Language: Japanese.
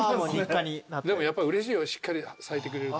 でもやっぱうれしいよしっかり咲いてくれると。